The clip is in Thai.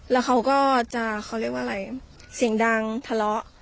แล้วเขาก็จะเขาเรียกว่าอะไรเสียงดังทะเลาะ